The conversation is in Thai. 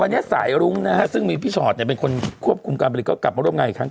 วันนี้สายรุ้งนะฮะซึ่งมีพี่ชอตเป็นคนควบคุมการผลิตก็กลับมาร่วมงานอีกครั้ง